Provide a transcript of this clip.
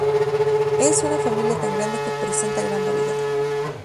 Es una familia tan grande que presenta gran variedad.